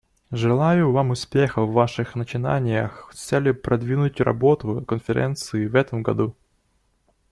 Желаю вам успехов в ваших начинаниях с целью продвинуть работу Конференции в этом году.